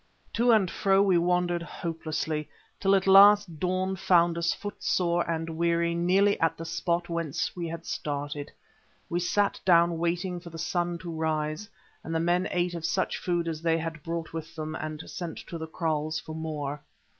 To and fro we wandered hopelessly, till at last dawn found us footsore and weary nearly at the spot whence we had started. We sat down waiting for the sun to rise, and the men ate of such food as they had brought with them, and sent to the kraals for more.